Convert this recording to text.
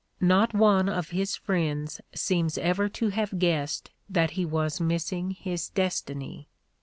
Not one of his friends seems ever to have guessed that he was missing his destiny.